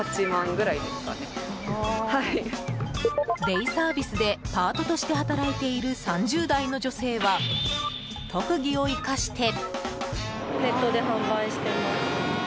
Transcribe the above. デイサービスでパートとして働いている３０代の女性は特技を生かして。